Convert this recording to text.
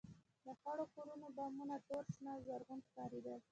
د خړو کورونو بامونه تور، شنه او زرغونه ښکارېدل.